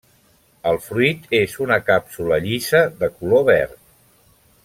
El fruit és una càpsula llisa, de color verd.